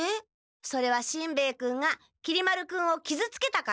それはしんべヱ君がきり丸君をきずつけたから。